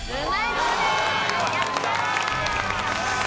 ・やった！